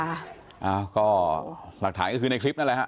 อ้าวก็หลักฐานก็คือในคลิปนั่นแหละฮะ